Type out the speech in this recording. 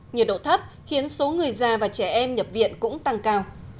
nhiệt độ thấp khiến số người già và trẻ em nhập viện cũng tăng cao